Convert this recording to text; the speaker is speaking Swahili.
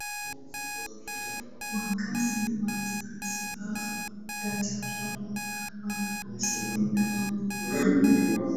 Wakazi wa Zanzibar hutajwa Kama watu wasipenda mambo magumu